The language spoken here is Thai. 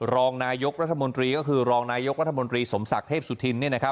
รองนายกรัฐมนตรีก็คือรองนายกรัฐมนตรีสมศักดิ์เทพสุธิน